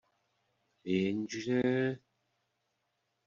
Jenže...